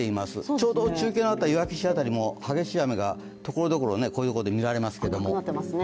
ちょうど中継のあったいわき市でも激しい雨がところどころ、こういうところで見られますけれども。